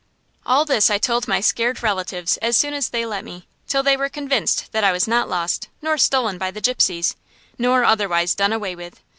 All this I told my scared relatives as soon as they let me, till they were convinced that I was not lost, nor stolen by the gypsies, nor otherwise done away with.